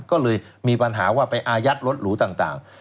ก็เลยมีปัญหาว่าไปอายัดรถหรูต่าง